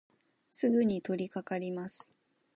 すぐにとりかかります。